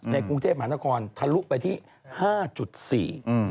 ในกรุงเทพฯมหาละครทะลุไปที่๕๔